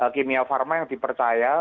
kimia pharma yang dipercaya